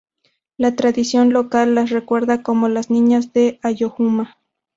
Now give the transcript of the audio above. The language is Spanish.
La tradición local las recuerda como las "Niñas de Ayohuma".